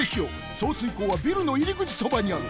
送水口はビルのいりぐちそばにある。